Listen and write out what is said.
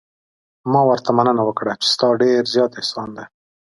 ما ورته مننه وکړه چې ستا ډېر زیات احسان دی.